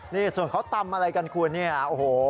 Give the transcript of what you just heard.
นี่ส่วนเขาตำอะไรกันคุณเนี่ยโอ้โห